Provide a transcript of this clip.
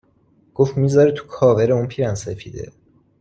گفت می ذاره تو کاورِ اون پیرهن سفیده